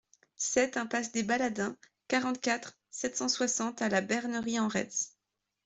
sept impasse des Baladins, quarante-quatre, sept cent soixante à La Bernerie-en-Retz